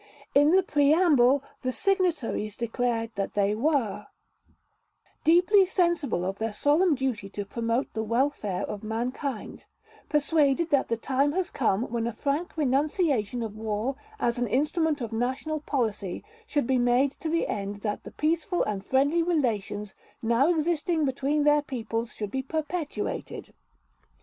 In the preamble, the signatories declared that they were: "Deeply sensible of their solemn duty to promote the welfare of mankind; persuaded that the time has come when a frank renunciation of war as an instrument of national policy should be made to the end that the peaceful and friendly relations now existing between their peoples should be perpetuated